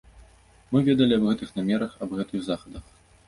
Мы ведалі аб гэтых мерах, аб гэтых захадах.